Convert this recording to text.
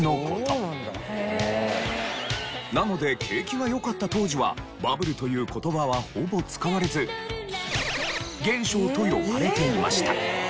なので景気が良かった当時はバブルという言葉はほぼ使われず現象と呼ばれていました。